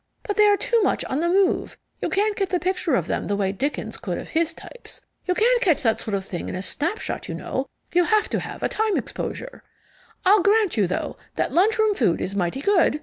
But they are too much on the move, you can't get the picture of them the way Dickens could of his types. You can't catch that sort of thing in a snapshot, you know: you have to have a time exposure. I'll grant you, though, that lunchroom food is mighty good.